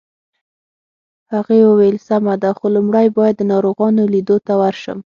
هغې وویل: سمه ده، خو لومړی باید د ناروغانو لیدو ته ورشم.